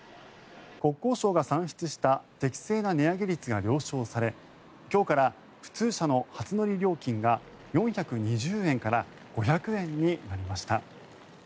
国交省が算出した適正な値上げ率が了承され今日から普通車の初乗り料金が４２０円から５００円になりました。